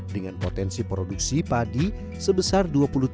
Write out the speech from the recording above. dengan potensi produksi padi sebesar dua puluh tiga